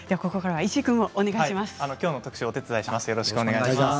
きょうの特集お手伝いします。